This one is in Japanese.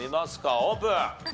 オープン。